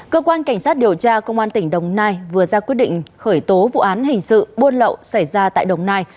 cơ quan cảnh sát điều tra công an tỉnh đồng nai vừa ra quyết định khởi tố vụ án hình sự buôn lậu xảy ra tại đồng nai